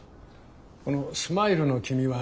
あのスマイルの君は。